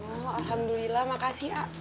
oh alhamdulillah makasih a